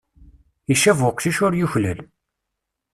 Icab weqcic ur yuklal.